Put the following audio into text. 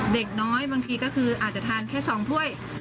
เด็กน้อยบางทีก็คืออาจจะทานแค่๒ถ้วย